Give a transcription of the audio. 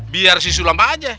biar si sulam pak haji